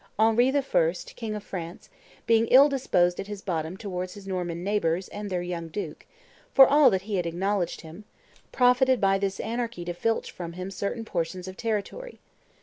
Henry I., king of France, being ill disposed at bottom towards his Norman neighbors and their young duke, for all that he had acknowledged him, profited by this anarchy to filch from him certain portions of territory.